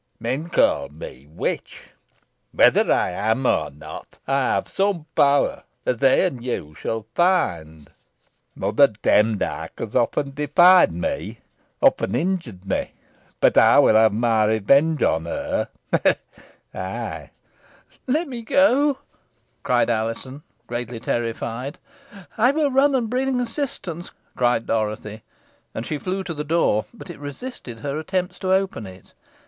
Men call me witch. Whether I am so or not, I have some power, as they and you shall find. Mother Demdike has often defied me often injured me, but I will have my revenge upon her ha! ha!" "Let me go," cried Alizon, greatly terrified. "I will run and bring assistance," cried Dorothy. And she flew to the door, but it resisted her attempts to open it.